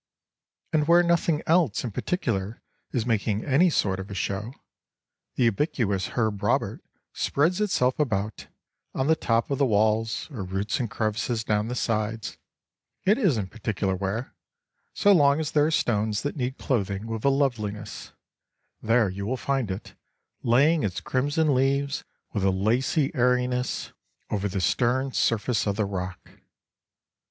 And where nothing else in particular is making any sort of a show, the ubiquitous Herb Robert spreads itself about, on the top of the walls, or roots in crevices down the sides—it isn't particular where; so long as there are stones that need clothing with loveliness, there you will find it, laying its crimson leaves with a lacy airiness over the stern surface of the rock.